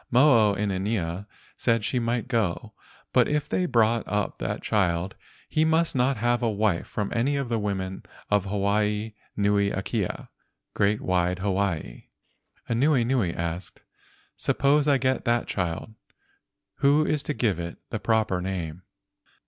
Mo o inanea said she might go, but if they brought up that child he must not have a wife from any of the women of Hawaii nui akea (great wide Hawaii). Anuenue asked, "Suppose I get that child; who is to give it the proper name?